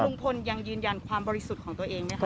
ลุงพลยังยืนยันความบริสุทธิ์ของตัวเองไหมคะ